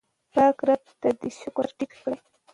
پاک رب ته د شکر سر ټیټ کړئ.